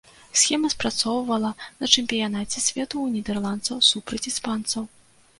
Схема спрацоўвала на чэмпіянаце свету ў нідэрландцаў супраць іспанцаў.